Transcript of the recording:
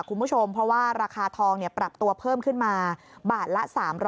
คุณผู้ชมเพราะว่าราคาทองปรับตัวเพิ่มขึ้นมาบาทละ๓๐๐